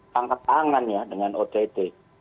tangkap tangan ya dengan ott